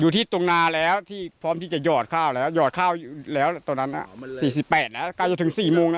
อยู่ที่ตรงนานแล้วพร้อมที่จะหยอดข้าวแล้วหยอดข้าวแล้วตอนนั้น๔๘แล้วกลายถึง๔โมงแล้ว